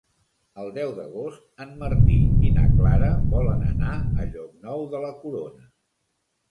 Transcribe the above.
El deu d'agost en Martí i na Clara volen anar a Llocnou de la Corona.